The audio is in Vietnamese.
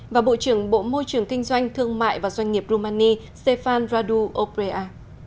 và bộ trưởng bộ môi trường kinh doanh thương mại và doanh nghiệp rumani stefan radu oprea